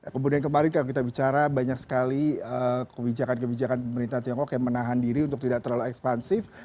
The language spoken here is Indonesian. kemudian kemarin kalau kita bicara banyak sekali kebijakan kebijakan pemerintah tiongkok yang menahan diri untuk tidak terlalu ekspansif